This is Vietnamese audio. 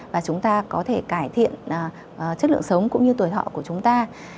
và chúng ta có thể cải thiện chất lượng sống cũng như tuổi thọ của chúng ta